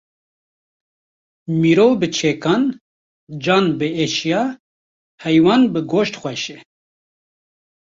Mirov bi çekan, can bi eşya, heywan bi goşt xweş e